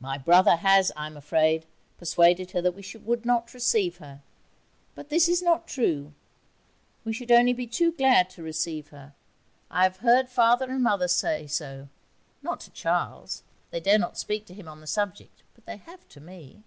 My brother has, I'm afraid, persuaded her that we would not receive her. But this is not true; we should only be too glad to receive her. I have heard Father and Mother say so not to Charles, they dare not speak to him on the subject, but they have to me.'